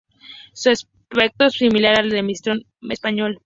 Su aspecto es similar al del mastín español.